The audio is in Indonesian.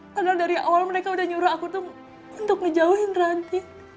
padahal dari awal mereka sudah menyuruh aku untuk menjauhi radit